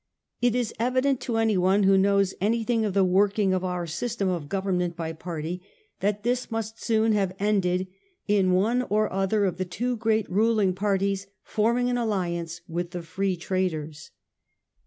It is evident to anyone who knows anything of the working of our system of government by party, that this must soon have ended in one or other of the two great ruling parties forming an alliance with the Free Traders.